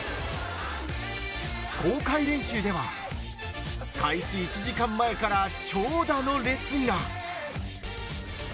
公開練習では開始１時間前から長蛇の列が。